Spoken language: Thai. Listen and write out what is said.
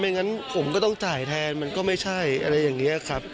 งั้นผมก็ต้องจ่ายแทนมันก็ไม่ใช่อะไรอย่างนี้ครับ